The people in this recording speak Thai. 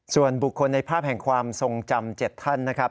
ส่วนบุคคลในภาพแห่งความทรงจำ๗ท่านนะครับ